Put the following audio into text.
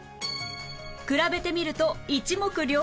比べてみると一目瞭然！